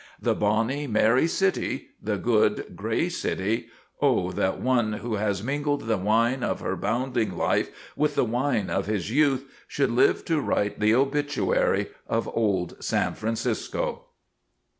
The bonny, merry city the good, gray city O that one who has mingled the wine of her bounding life with the wine of his youth should live to write the obituary of Old San Francisco!